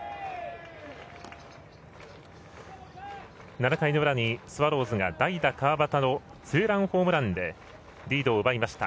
７回の裏にスワローズの代打、川端のツーランホームランでリードを奪いました。